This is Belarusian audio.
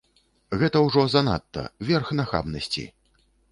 Гэта ўжо занадта, верх нахабнасці.